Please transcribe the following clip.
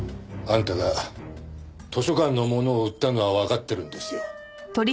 あんたが図書館のものを売ったのはわかってるんですよ。